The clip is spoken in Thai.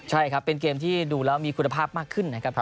ใช่ครับเป็นเกมที่ดูแล้วมีคุณภาพมากขึ้นนะครับ